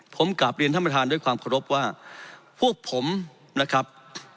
ผมกลับเรียนท่านประธานด้วยความเคารพว่าพวกผมนะครับ